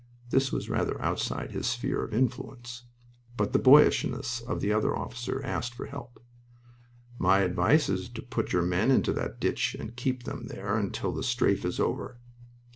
This was rather outside his sphere of influence. But the boyishness of the other officer asked for help. "My advice is to put your men into that ditch and keep them there until the strafe is over."